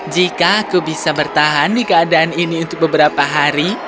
jika aku bisa bertahan di keadaan ini untuk beberapa hari